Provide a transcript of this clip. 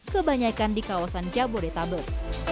kebanyakan di kawasan jabodetabek